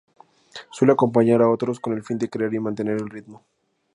Suele acompañar a otros con el fin de crear y mantener el ritmo.